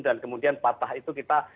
dan kemudian patah itu kita